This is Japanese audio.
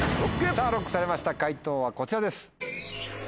さぁＬＯＣＫされました解答はこちらです。